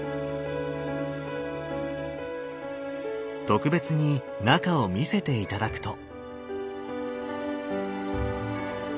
特別に中を見せて頂くと。